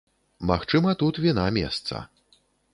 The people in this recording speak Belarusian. Магчыма, тут віна месца.